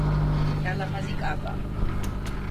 რა ლამაზი კაბაა